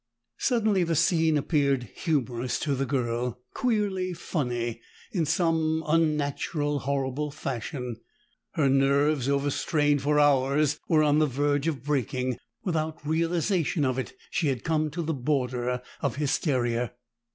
Suddenly the scene appeared humorous to the girl, queerly funny, in some unnatural horrible fashion. Her nerves, overstrained for hours, were on the verge of breaking; without realization of it, she had come to the border of hysteria.